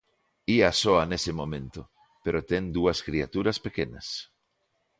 Ía soa nese momento, pero ten dúas criaturas pequenas.